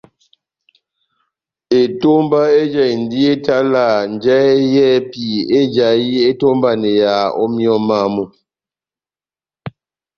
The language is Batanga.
Etomba ejahindi etalaha njahɛ yɛ́hɛ́pi éjahi etómbaneyaha ó míyɔ mámu.